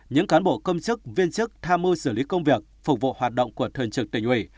những cán bộ công chức viên chức tham mưu xử lý công việc phục vụ hoạt động của thường trực tỉnh ủy